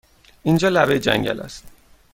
اینجا لبه جنگل است!